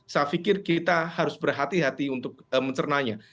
saya pikir kita harus berhati hati untuk mencernanya